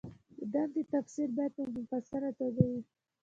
د دندې تفصیل باید په مفصله توګه وي.